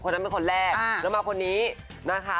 นั้นเป็นคนแรกแล้วมาคนนี้นะคะ